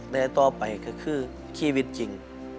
แต่ต่อไปก็คือชีวิตจริง